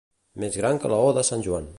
Més gran que la «o» de sant Joan.